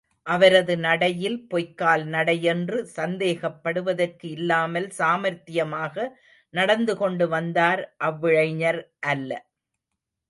அவரது நடையில் பொய்க்கால் நடையென்று சந்தேகப்படுவதற்கு இல்லாமல் சாமர்த்தியமாக நடந்துகொண்டு வந்தார், அவ்விளைஞர் அல்ல.